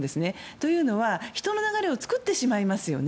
というのは、人の流れを作ってしまいますよね。